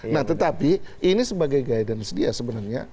nah tetapi ini sebagai guidance dia sebenarnya